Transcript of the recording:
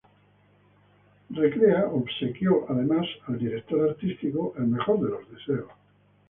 Recrea le obsequió además al director artístico, El Mejor de los Deseos.